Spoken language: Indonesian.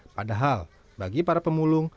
padahal bagi para pemulung